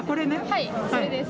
はい、それです。